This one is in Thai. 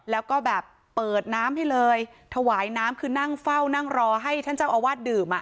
แล้วก็แบบเปิดน้ำให้เลยถวายน้ำคือนั่งเฝ้านั่งรอให้ท่านเจ้าอาวาสดื่มอ่ะ